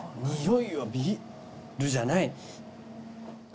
匂いはビールじゃない。